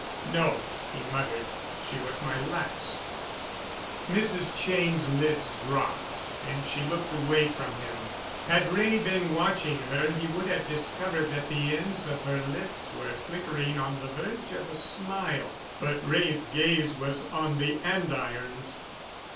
"No," he muttered, "she was my last." Mrs. Cheyne's lids dropped, and she looked away from him. Had Wray been watching her he would have discovered that the ends of her lips were flickering on the verge of a smile, but Wray's gaze was on the andirons.